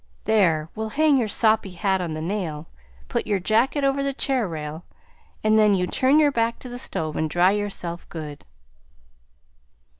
There, we'll hang your soppy hat on the nail, put your jacket over the chair rail, an' then you turn your back to the stove an' dry yourself good."